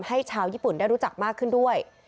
ให้ชาวญี่ปุ่นได้รู้จักมากขึ้นด้วย